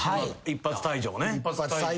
一発退場ね。